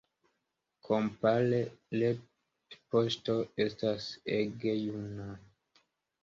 Kompare, retpoŝto estas ege juna.